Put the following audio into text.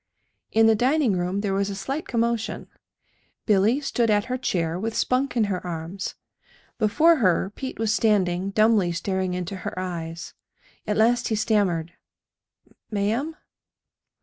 In the dining room there was a slight commotion. Billy stood at her chair with Spunk in her arms. Before her Pete was standing, dumbly staring into her eyes. At last he stammered: "Ma'am?"